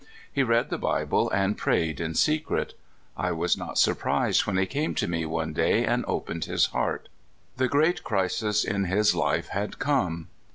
He read the Bible and prayed in secret. I was not surprised when he came to me one day and opened his heart. The great crisis in his life had come.